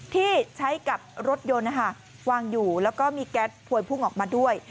ที่ใช้กับรถยนต์วางอยู่แล้วก็มีแก๊สพวยพุ่งออกมาด้วย